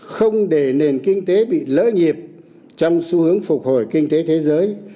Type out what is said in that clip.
không để nền kinh tế bị lỡ nhịp trong xu hướng phục hồi kinh tế thế giới